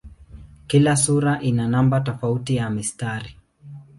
Kila sura ina namba tofauti ya mistari.